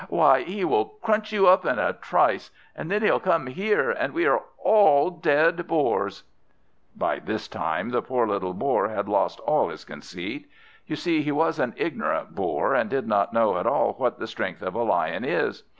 Why, he will crunch you up in a trice, and then he'll come here, and we are all dead Boars!" By this time the poor Boar had lost all his conceit; you see he was an ignorant Boar, and did not know at all what the strength of a Lion is.